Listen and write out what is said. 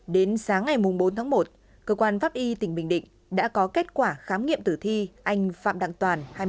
đến sáng ngày bốn tháng một cơ quan pháp y tỉnh bình định đã có kết quả khám nghiệm tử thi anh phạm đặng toàn